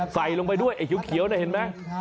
ใส่ลงไปด้วยไอ้เขียวเนี่ยเห็นไหม